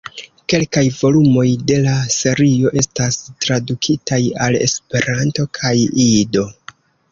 Kelkaj volumoj de la serio estis tradukitaj al Esperanto kaj Ido.